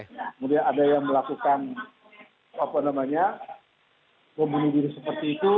kemudian ada yang melakukan apa namanya membunuh diri seperti itu